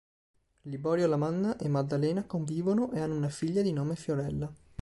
Liborio Lamanna e Maddalena convivono e hanno una figlia di nome Fiorella.